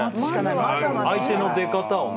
相手の出方をね。